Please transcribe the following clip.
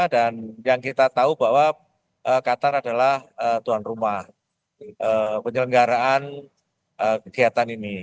dan yang kita tahu bahwa qatar adalah tuan rumah penyelenggaraan kegiatan ini